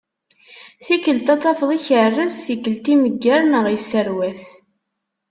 Tikkelt ad tafeḍ ikerrez, tikkelt imegger neɣ isserwat.